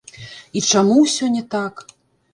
І чаму ўсё не так.